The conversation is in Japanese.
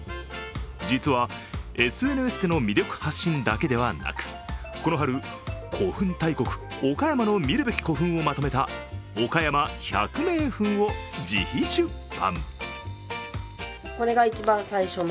実はＳＮＳでの魅力発信だけではなくこの春、古墳大国・岡山の見るべき古墳をまとめた「岡山１００名墳」を自費出版。